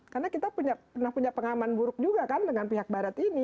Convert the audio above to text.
karena kita pernah punya pengaman buruk juga kan dengan pihak barat ini